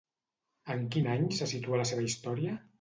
En quin any se situa la seva història?